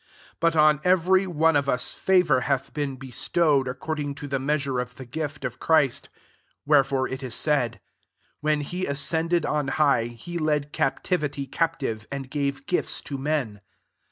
7 But on every one of U! favour hath been bestowed ac cording to the measure of thi j^ift of Christ. 8 Wherefore i is saidj^ " When lie ascendec on high, he led captivity cap tive, {and] gave gifts to men.